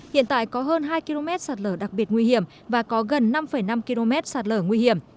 hiện tại có hơn hai km sạt lở đặc biệt nguy hiểm và có gần năm năm km sạt lở nguy hiểm